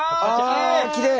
あきれい！